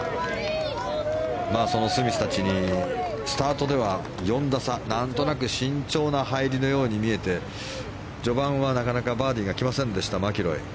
そのスミスたちにスタートでは４打差なんとなく慎重な入りのように見えて序盤はなかなかバーディーが来ませんでしたマキロイ。